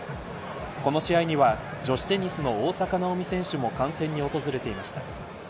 この試合には女子テニスの大坂なおみ選手も観戦に訪れていました。